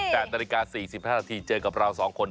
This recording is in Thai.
แต่ตอนนี้รายการ๔๕นาทีเจอกับเรา๒คน